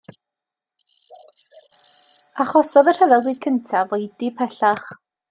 Achosodd y Rhyfel Byd Cyntaf oedi pellach.